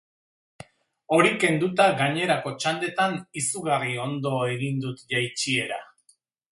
Hori kenduta, gainerako txandetan izugarri ondo egin dut jaitsiera.